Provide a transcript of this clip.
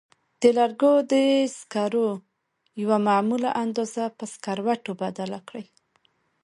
د لرګو د سکرو یوه معلومه اندازه په سکروټو بدله کړئ.